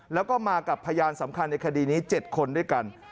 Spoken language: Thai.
แล้วก็มากับพยานสำคัญในคดีนี้๗คนด้วยกัน